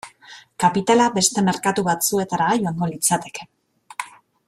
Kapitala beste merkatu batzuetara joango litzateke.